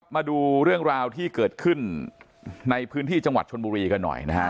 มาดูเรื่องราวที่เกิดขึ้นในพื้นที่จังหวัดชนบุรีกันหน่อยนะฮะ